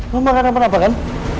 mama kenapa kenapa kan